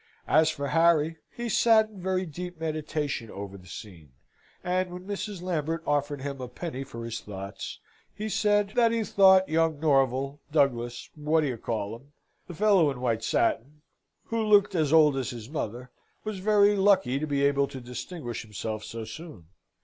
As for Harry, he sate in very deep meditation over the scene; and when Mrs. Lambert offered him a penny for his thoughts, he said, "That he thought, Young Norval, Douglas, What d'ye call 'em, the fellow in white satin who looked as old as his mother was very lucky to be able to distinguish himself so soon.